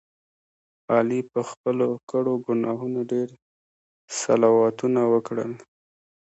علي په خپلو کړو ګناهونو ډېر صلواتونه وکړل.